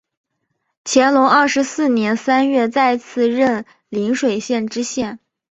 乾隆二十四年三月再次任邻水县知县。